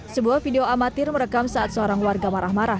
sebuah video amatir merekam saat seorang warga marah marah